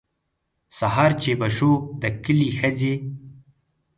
سهار چې به شو د کلي ښځې.